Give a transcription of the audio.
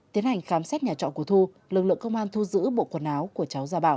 tiến hành khám xét nhà trọ của thu lực lượng công an thu giữ bộ quần áo của cháu gia bảo